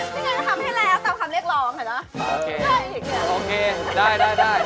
นึงคนทำให้แล้วตามคำเรียกรอมเขียนหรอ